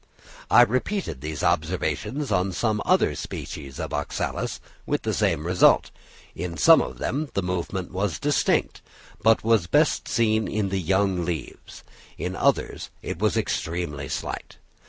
I repeated these observations on some other species of Oxalis with the same result; in some of them the movement was distinct, but was best seen in the young leaves; in others it was extremely slight.